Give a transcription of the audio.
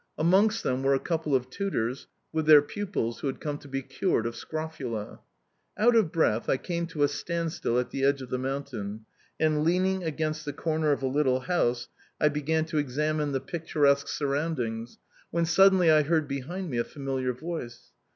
Amongst them were a couple of tutors, with their pupils who had come to be cured of scrofula. Out of breath, I came to a standstill at the edge of the mountain, and, leaning against the corner of a little house, I began to examine the picturesque surroundings, when suddenly I heard behind me a familiar voice.